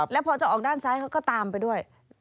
แล้วพอจะออกด้านซ้ายเขาก็ตามไปด้วย